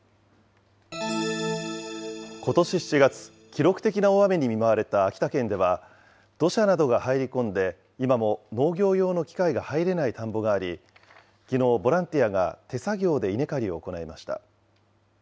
ことし７月、記録的な大雨に見舞われた秋田県では、土砂などが入り込んで今も農業用の機械が入れない田んぼがあり、きのう、ボランティアが手作業で稲刈りを行いました。